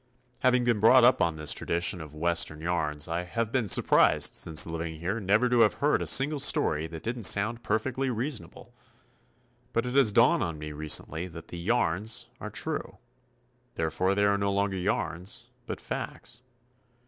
Having been brought up on this tradition of Western yarns, I have been surprised since living here never to have heard a single story that didn't sound perfectly reasonable. But it has dawned on me recently that the "Yarns" are true. Therefore, they are no longer yarns, but facts.